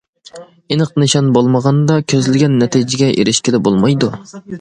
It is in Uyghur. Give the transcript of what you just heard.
ئېنىق نىشان بولمىغاندا كۆزلىگەن نەتىجىگە ئېرىشكىلى بولمايدۇ.